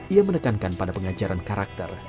ia menekankan pada pengajaran karakter